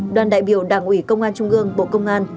đoàn đại biểu đảng ủy công an trung ương bộ công an